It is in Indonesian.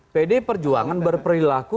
pdi perjuangan berperilaku